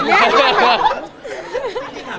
พี่ถามที่ความเขินมันเขินระดับเบอร์ไหน